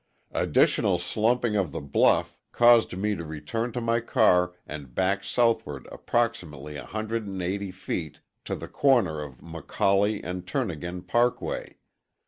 Additional slumping of the bluff caused me to return to my car and back southward approximately 180 feet to the corner of McCollie and Turnagain Parkway.